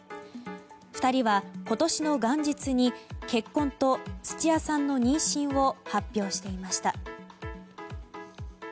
２人は、今年の元日に結婚と土屋さんの妊娠を発表していました。